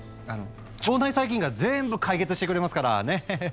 腸内細菌が全部解決してくれますからね。